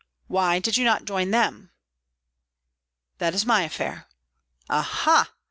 Why did you not join them?" "That is my affair." "Ah, ha!